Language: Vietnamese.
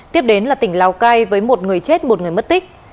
tiếp đến là tỉnh lào cai với một người chết một người mất tích